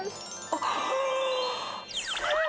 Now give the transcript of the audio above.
あっ！